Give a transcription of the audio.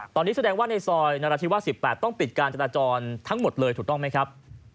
ตอนนี้แสดงว่าในซอยนราธิวาส๑๘ต้องปิดการจราจรทั้งหมดเลยถูกต้องไหมครับ